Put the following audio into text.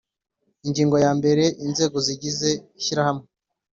Ingingo ya mbere inzego zigize ishyirahamwe